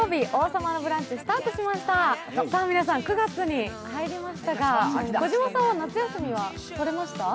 さあ、皆さん、９月に入りましたが児嶋さんは夏休みとりましたか？